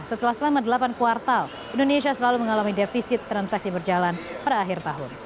setelah selama delapan kuartal indonesia selalu mengalami defisit transaksi berjalan pada akhir tahun